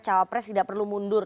cawapres tidak perlu mundur